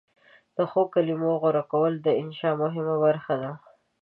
د ښو کلمو غوره کول د انشأ مهمه برخه ده.